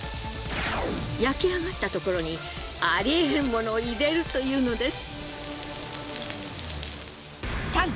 焼き上がったところにありえへんモノを入れるというのです。